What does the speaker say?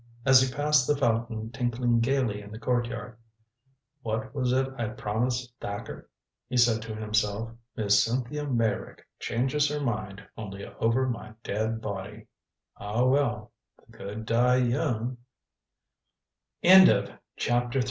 As he passed the fountain tinkling gaily in the courtyard: "What was it I promised Thacker?" he said to himself. "'Miss Cynthia Meyrick changes her mind only over my dead body.' Ah, well the good die young." CHAPTER IV MR.